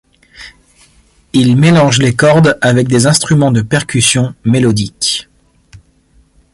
Il mélange les cordes avec des instruments de percussion mélodiques.